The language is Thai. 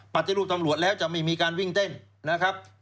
ปฏิรูปตำรวจแล้วจะไม่มีการวิ่งเต้นนะครับ